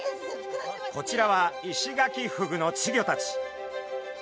こちらはイシガキフグの稚魚たち。